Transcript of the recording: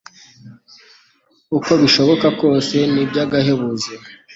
uko bishoboka kose ni ibyagahebuzo